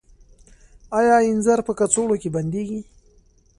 آیا انځر په کڅوړو کې بندیږي؟